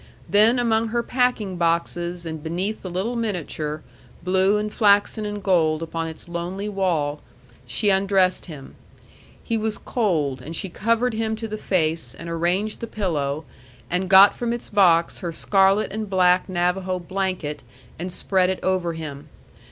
Then among her packing boxes and beneath the little miniature, blue and flaxen and gold upon its lonely wall, she undressed him. He was cold, and she covered him to the face, and arranged the pillow, and got from its box her scarlet and black Navajo blanket and spread it over him.